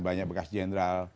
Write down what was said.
banyak bekas general